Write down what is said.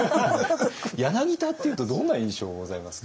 柳田っていうとどんな印象ございますか？